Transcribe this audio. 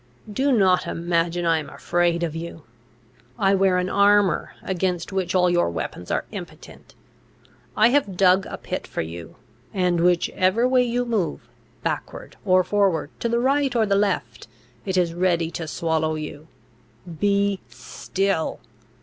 "Do not imagine I am afraid of you! I wear an armour, against which all your weapons are impotent. I have dug a pit for you; and, whichever way you move, backward or forward, to the right or the left, it is ready to swallow you. Be still!